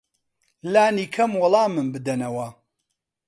لانی کەم وەڵامم بدەنەوە.